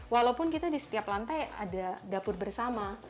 walaupun kita di setiap lantai ada dapur bersama